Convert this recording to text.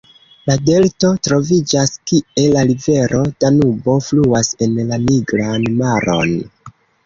La delto troviĝas, kie la rivero Danubo fluas en la Nigran maron.